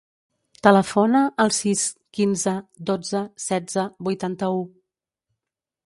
Telefona al sis, quinze, dotze, setze, vuitanta-u.